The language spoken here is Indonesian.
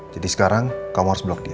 jadi sekarang kamu harus blok dia